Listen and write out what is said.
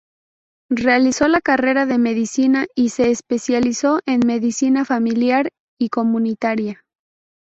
Realizó la carrera de Medicina y se especializó en Medicina Familiar y Comunitaria.